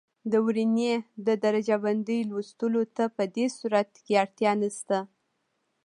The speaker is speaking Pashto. د ورنیې د درجه بندۍ لوستلو ته په دې صورت کې اړتیا نه شته.